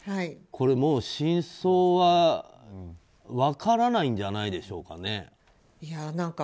これ真相は分からないんじゃないんでしょうかね。